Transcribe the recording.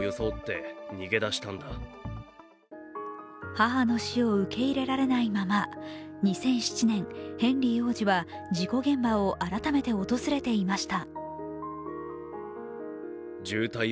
母の死を受け入れられないまま２００７年、ヘンリー王子は事故現場を改めて訪れていました。